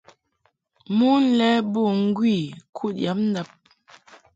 Mon lɛ bo ŋgwi kud yab ndab.